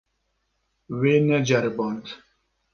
Wê neceriband.